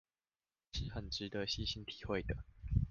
是很值得細心體會的